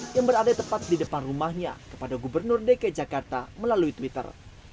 yang berada tepat di depan rumahnya kepada gubernur dki jakarta melalui twitter